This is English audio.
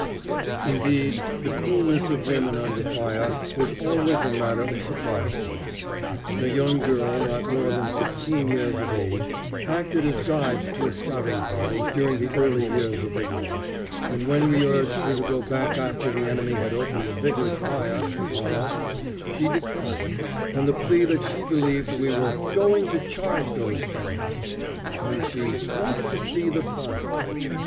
Indeed, the coolness of women under fire was always a matter of surprise to me. A young girl, not more than sixteen years of age, acted as guide to a scouting party during the early years of the war, and when we urged her to go back after the enemy had opened a vigorous fire upon us, she declined, on the plea that she believed we were "going to charge those fellows," and she "wanted to see the fun."